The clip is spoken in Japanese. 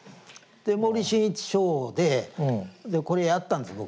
森進一ショーでこれやったんです僕。